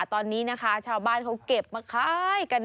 ตอนนี้นะคะชาวบ้านเขาเก็บมาคล้ายกัน